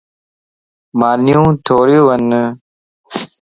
مانيون ٿوريون ون.